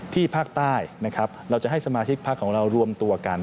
ที่ภาคใต้เราจะให้สมาชิกพักของเรารวมตัวกัน